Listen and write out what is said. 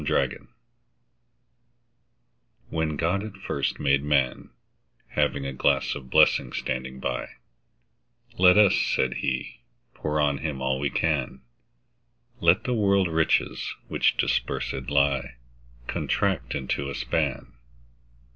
The Pulley WHEN God at first made Man, Having a glass of blessings standing by—Let us (said He) pour on him all we can; Let the world's riches, which dispersèd lie, Contract into a span.